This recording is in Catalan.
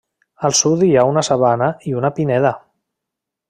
Al sud hi ha una sabana i una pineda.